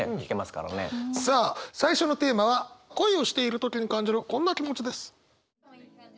さあ最初のテーマは恋をしている時に感じるこんな気持ちです。